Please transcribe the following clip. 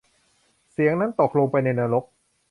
เสียงนั้นตกลงไปในนรก